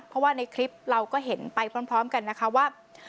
เพราะว่าในคลิปเราก็เห็นไปพร้อมกันนะคะว่า